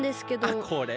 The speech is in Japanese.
あっこれ？